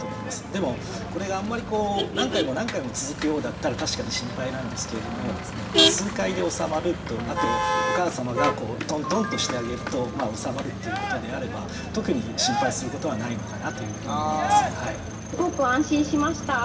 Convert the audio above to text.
でもこれがあんまりこう何回も何回も続くようだったら確かに心配なんですけれども数回でおさまるとあとお母さまがトントンとしてあげるとおさまるということであれば特に心配することはないのかなというふうに思います。